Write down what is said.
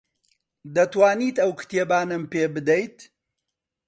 دەتوانیت ئەو کتێبانەم پێ بدەیت؟